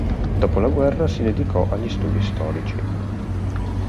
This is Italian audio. Dopo la guerra si dedicò agli studi storici.